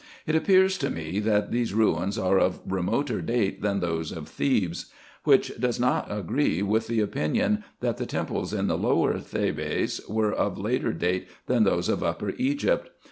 It appears to me, that these ruins are of remoter date than those of Thebes ; which does not agree with the opinion, that the temples in the Lower Thebais were of later date than those of Upper Egypt.